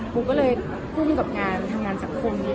ปูก็เลยภูมิกับงานทำงานสังคมนี้